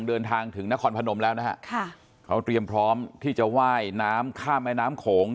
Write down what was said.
เดินทางถึงนครพนมแล้วนะฮะค่ะเขาเตรียมพร้อมที่จะว่ายน้ำข้ามแม่น้ำโขง